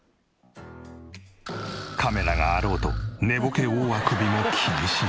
カメラがあろうと寝ぼけ大あくびも気にしない。